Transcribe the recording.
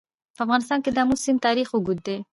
په افغانستان کې د آمو سیند تاریخ اوږد دی.